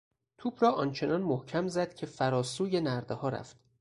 توپ را آنچنان محکم زد که فراسوی نردهها رفت.